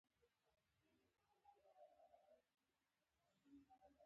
دوی دلته کتابونه ژباړل